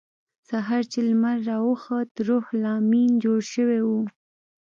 سهار چې لمر راوخوت روح لامین جوړ شوی و